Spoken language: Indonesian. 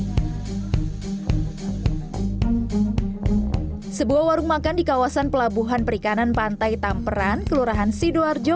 hai sebuah warung makan di kawasan pelabuhan perikanan pantai tamperan kelurahan sidoarjo